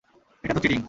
এটা তো চিটিং।